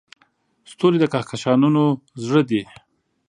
ستوري د کهکشانونو زړه دي.